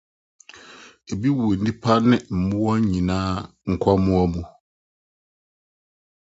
Ebi wɔ nnipa ne mmoa nyinaa nkwammoaa mu.